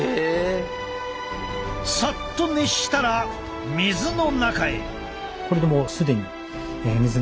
さっと熱したら水の中へ。